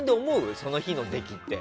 その日の出来って。